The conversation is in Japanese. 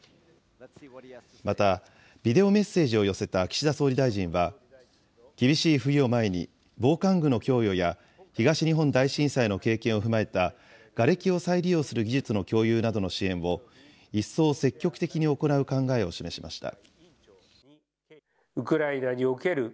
また、ビデオメッセージを寄せた岸田総理大臣は、厳しい冬を前に、防寒具の供与や、東日本大震災の経験を踏まえたがれきを再利用する技術の共有などの支援を一層積極的に行う考えを示しました。